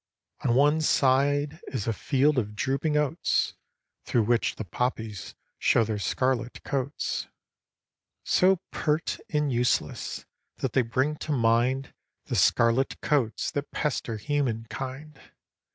On one side is a field of drooping oats. Through which the poppies show their scarlet coats ; So pert and useless, that they bring to mind The scarlet coats that pester human kind.